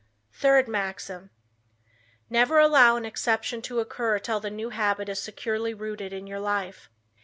Third Maxim: "Never allow an exception to occur till the new habit is securely rooted in your life."